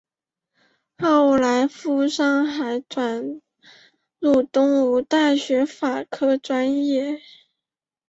后在赴上海转入东吴大学法科毕业。